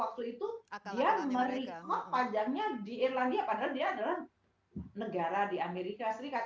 waktu itu dia meritma pajaknya di irlandia padahal dia adalah negara di amerika serikat